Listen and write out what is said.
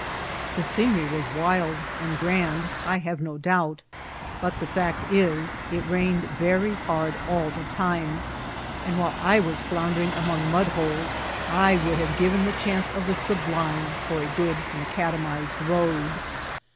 The scenery wae wild and grand, I htt?e no doubt; but the fact is, it rained very hard all the time ; and while I was floundering among mud holes I would haTe given the chance <^ the sublime for a good Macadamiaed road.